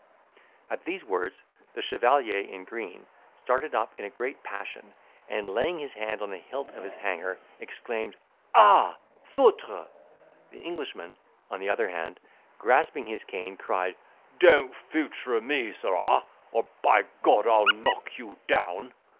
At these words, the chevalier in green started up in a great passion, and laying his hand on the hilt of his hanger, exclaimed, "Ah! foutre!" The Englishman on the other hand, grasping his cane cried, "Don't foutre me, sirrah, or by G—d I'll knock you down."